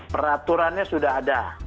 peraturannya sudah ada